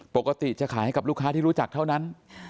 ปกติจะขายให้กับลูกค้าที่รู้จักเท่านั้น